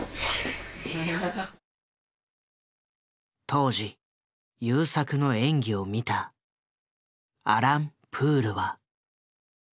当時優作の演技を見たアラン・プールは。